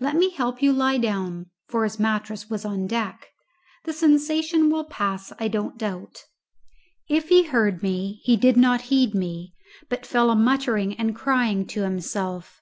Let me help you to lie down" (for his mattress was on deck); "the sensation will pass, I don't doubt." If he heard he did not heed me, but fell a muttering and crying to himself.